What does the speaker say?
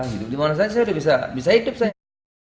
hidup dimana saja saya sudah bisa hidup saya